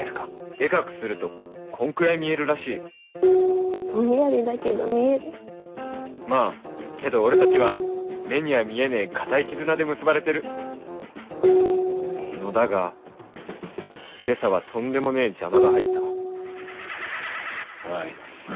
デカくするとこんくらい見えるらしいぼんやりだけど見えるまぁけど俺たちは目には見えねえ固い絆で結ばれてるのだが今朝はとんでもねえ邪魔が入ったあいつ。